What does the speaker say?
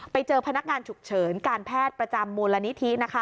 ไปเจอพนักงานฉุกเฉินการแพทย์ประจำมูลนิธิ